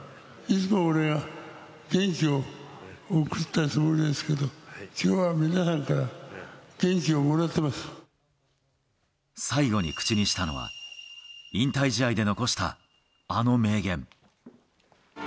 いつも俺は元気を送ったつもりなんですけど、きょうは皆さんから最後に口にしたのは、引退試合で残したあの名言。